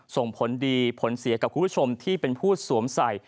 ส่งผลดีผลเสียกับคุณผู้ชมที่เป็นผู้สวมใส่